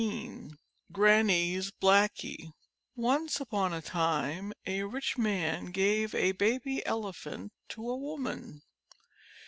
XVI GRANNY'S BLACKIE ONCE upon a time a rich man gave a baby Ele phant to a woman.